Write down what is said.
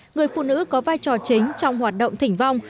người phụ nữ có vai trò chính trong hoạt động thỉnh vong